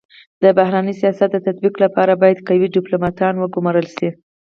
د بهرني سیاست د تطبیق لپاره بايد قوي ډيپلوماتان و ګمارل سي.